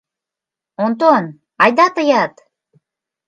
Онтон, айда тыят!